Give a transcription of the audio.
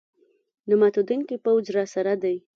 نه ماتېدونکی پوځ راسره دی.